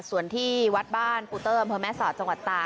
ส่วนที่วัดบ้านปุเติมเผอร์แม่ศาสตร์จังหวัดต่า